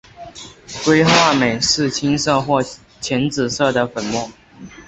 硅化镁是青色或浅紫色的粉末。